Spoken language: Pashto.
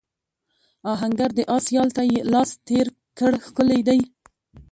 آهنګر د آس یال ته لاس تېر کړ ښکلی دی.